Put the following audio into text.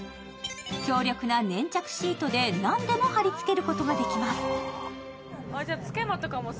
強力な粘着シートで何でも貼り付けることができます。